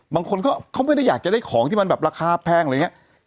บางคนเขาไม่ได้อยากจะได้ของที่มันแบบราคาแพงอะไรอย่างนี้